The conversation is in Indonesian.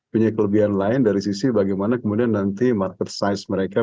punya kelebihan lain dari sisi bagaimana kemudian nanti market size mereka